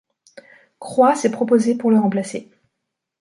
Croix s'est proposé pour le remplacer.